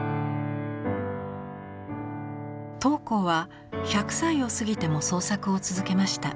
桃紅は１００歳を過ぎても創作を続けました。